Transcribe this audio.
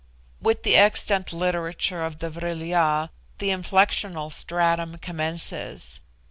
With the extant literature of the Vril ya the inflectional stratum commences.